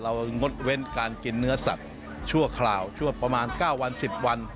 งดเว้นการกินเนื้อสัตว์ชั่วคราวชั่วประมาณ๙วัน๑๐วัน